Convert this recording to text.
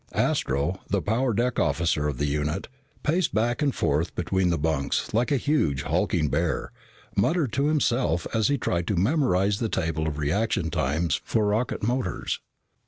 Astro, the power deck officer of the unit, paced back and forth between the bunks like a huge, hulking bear, muttering to himself as he tried to memorize the table of reaction times for rocket motors.